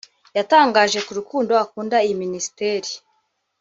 yatangaje ko urukundo akunda iyi Minisiteri